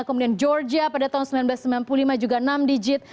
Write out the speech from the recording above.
kemudian georgia pada tahun seribu sembilan ratus sembilan puluh lima juga enam digit